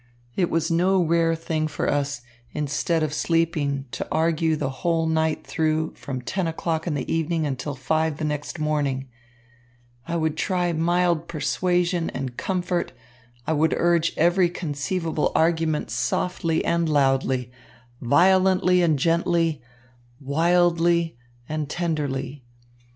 It was no rare thing for us, instead of sleeping, to argue the whole night through, from ten o'clock in the evening until five the next morning. I would try mild persuasion and comfort, I would urge every conceivable argument softly and loudly, violently and gently, wildly and tenderly.